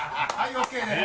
ＯＫです！